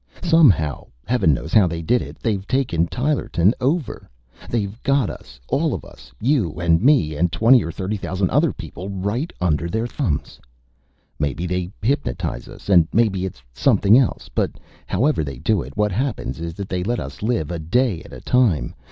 Somehow heaven knows how they did it they've taken Tylerton over. They've got us, all of us, you and me and twenty or thirty thousand other people, right under their thumbs. "Maybe they hypnotize us and maybe it's something else; but however they do it, what happens is that they let us live a day at a time.